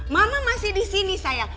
mama masih di sini saya